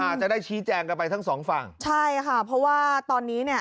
จะได้ชี้แจงกันไปทั้งสองฝั่งใช่ค่ะเพราะว่าตอนนี้เนี่ย